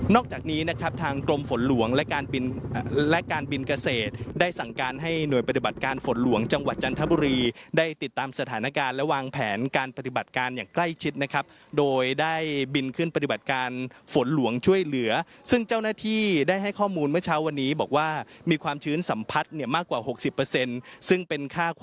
จากนี้นะครับทางกรมฝนหลวงและการบินและการบินเกษตรได้สั่งการให้หน่วยปฏิบัติการฝนหลวงจังหวัดจันทบุรีได้ติดตามสถานการณ์และวางแผนการปฏิบัติการอย่างใกล้ชิดนะครับโดยได้บินขึ้นปฏิบัติการฝนหลวงช่วยเหลือซึ่งเจ้าหน้าที่ได้ให้ข้อมูลเมื่อเช้าวันนี้บอกว่ามีความชื้นสัมผัสเนี่ยมากกว่า๖๐ซึ่งเป็นค่าค